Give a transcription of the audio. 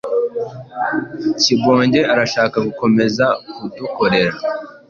Kibonge arashaka gukomeza kudukorera.